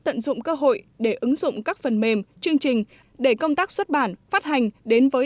tận dụng cơ hội để ứng dụng các phần mềm chương trình để công tác xuất bản phát hành đến với